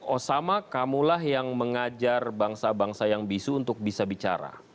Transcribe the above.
o sama kamu lah yang mengajar bangsa bangsa yang bisu untuk bisa bicara